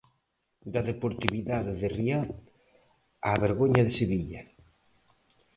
Da deportividade de Riad á vergoña de Sevilla.